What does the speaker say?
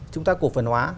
chúng ta cổ phần hóa